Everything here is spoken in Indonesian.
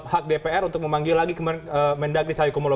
hak dpr untuk memanggil lagi kemendagri saya kemulia